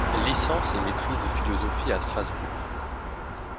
Licence et maîtrise de philosophie à Strasbourg.